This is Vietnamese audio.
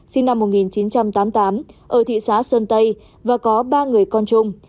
sinh năm một nghìn chín trăm tám mươi tám ở thị xã sơn tây và có ba người con trung